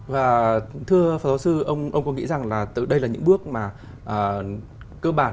và thưa phó giáo sư ông có nghĩ rằng là đây là những bước mà cơ bản